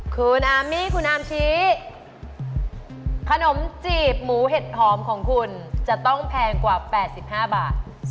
คุณอามี่คุณอามชี้ขนมจีบหมูเห็ดหอมของคุณจะต้องแพงกว่า๘๕บาท